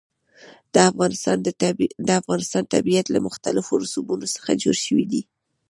د افغانستان طبیعت له مختلفو رسوبونو څخه جوړ شوی دی.